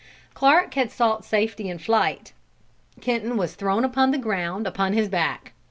Clark had sought safety in flight. Kenton was thrown upon the ground upon his back.